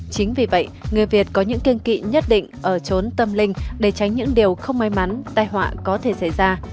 chính vì vậy người việt có những kiên kỵ nhất định ở trốn tâm linh để tránh những điều không may mắn tai họa có thể xảy ra